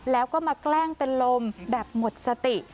แล้วก็มาแกล้งเป็นลมแบบหมดสติ